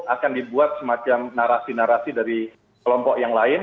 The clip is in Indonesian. akan dibuat semacam narasi narasi dari kelompok yang lain